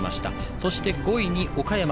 そして、５位に岡山。